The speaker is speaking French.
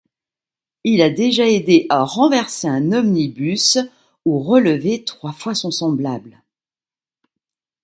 Il a déjà aidé à renverser un omnibus, ou relevé trois fois son semblable.